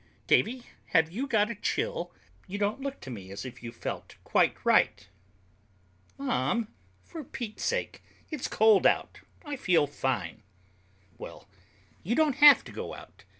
"Davey, have you got a chill? You don't look to me as if you felt quite right." "Mom, for Pete's sake, it's COLD out! I feel fine." "Well, you don't have to go out.